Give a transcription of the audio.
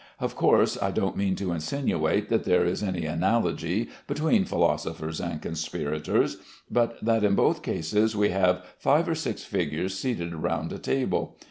Of course, I don't mean to insinuate that there is any analogy between philosophers and conspirators, but that in both cases we have five or six figures seated round a table.